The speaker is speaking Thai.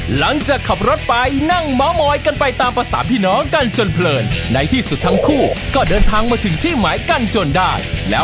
หลังจากขับรถไปนั่งเมาะมอยกันไปตามภาษาพี่น้องกันจนเพลินในที่สุดทั้งคู่ก็เดินทางมาถึงที่หมายกันจนได้แล้ว